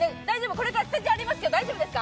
これからスタジオありますが大丈夫ですか？